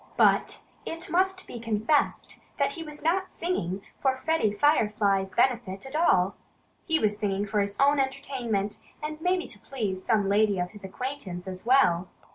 But it must be confessed that he was not singing for Freddie Firefly's benefit at all. He was singing for his own entertainment and maybe to please some lady of his acquaintance as well.